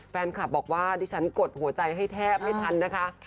แฟนคลับบอกว่าดิฉันกดหัวใจให้แทบไม่ทันนะคะ